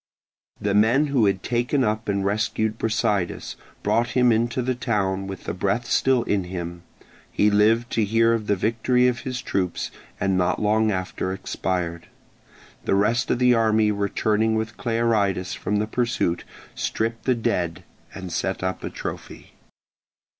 The men who had taken up and rescued Brasidas, brought him into the town with the breath still in him: he lived to hear of the victory of his troops, and not long after expired. The rest of the army returning with Clearidas from the pursuit stripped the dead and set up a trophy.